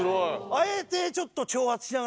あえてちょっと。